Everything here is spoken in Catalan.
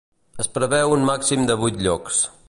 Es preveu un màxim de vuit llocs.